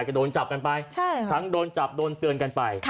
ก็โดนจับกันไปทั้งโดนจับโดนเตือนกันไป